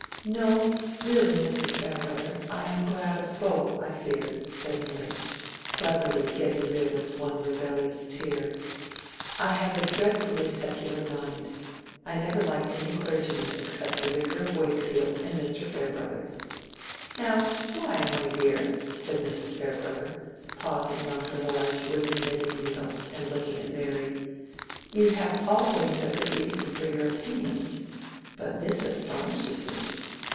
"No, really, Mrs. Farebrother, I am glad of both, I fear," said Mary, cleverly getting rid of one rebellious tear. "I have a dreadfully secular mind. I never liked any clergyman except the Vicar of Wakefield and Mr. Farebrother." "Now why, my dear?" said Mrs. Farebrother, pausing on her large wooden knitting needles and looking at Mary. "You have always a good reason for your opinions, but this astonishes me.